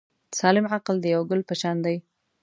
سالم عقل د یو ګل په شان دی.